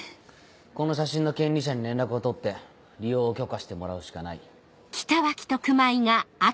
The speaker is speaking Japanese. この写真の権利者に連絡を取って利用を許可してもらうしかない。